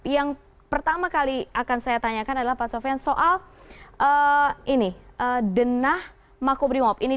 yang pertama kali akan saya tanyakan adalah pak sofian soal denah makobrimob